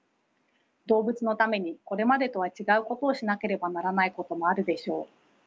動物のためにこれまでとは違うことをしなければならないこともあるでしょう。